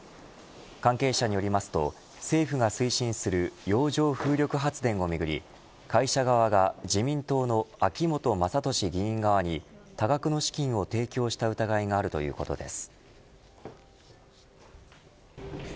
関係者によりますと政府が推進する洋上風力発電をめぐり会社側が自民党の秋本真利議員側に多額の資金を提供した疑いがあるということです。